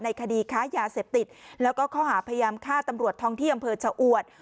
ในคดีค้ายาเสพติดแล้วก็เขาหาพยายามฆ่าตำรวจทองเที่ยงบริเวณเฉาอวด